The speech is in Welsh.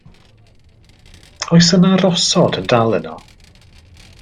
Oes yna rosod yn dal yno?